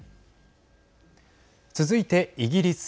続いて、イギリス。